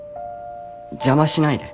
邪魔しないで。